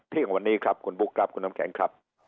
เที่ยงวันนี้ครับคุณบุ๊คครับคุณน้ำแข็งครับ